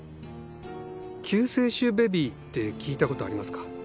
救世主ベビーって聞いたことありますか？